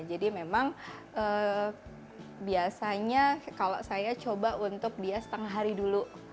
memang biasanya kalau saya coba untuk dia setengah hari dulu